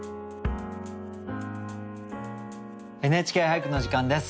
「ＮＨＫ俳句」の時間です。